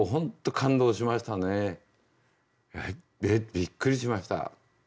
びっくりしました。